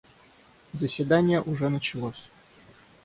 Заседание уже началось.